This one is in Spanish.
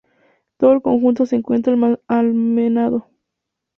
Todo el conjunto se encuentra almenado.